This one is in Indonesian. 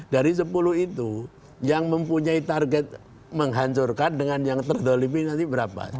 dari sepuluh itu yang mempunyai target menghancurkan dengan yang terdolimi nanti berapa